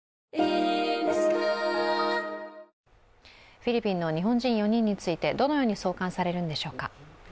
フィリピンの日本人４人についてどのように送還されるのでしょうか。